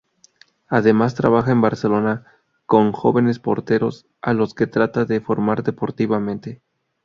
Además, trabaja en Barcelona con jóvenes porteros, a los que trata de formar deportivamente.